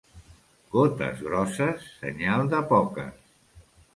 Gotes grosses, senyal de poques.